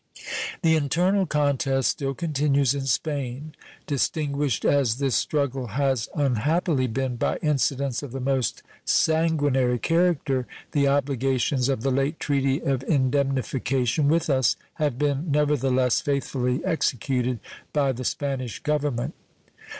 The internal contest still continues in Spain. Distinguished as this struggle has unhappily been by incidents of the most sanguinary character, the obligations of the late treaty of indemnification with us have been, never the less, faithfully executed by the Spanish Government.